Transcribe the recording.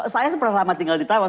saya sempat lama tinggal di taiwan